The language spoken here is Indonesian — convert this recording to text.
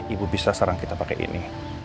ibu bisa sarang kita pakai ini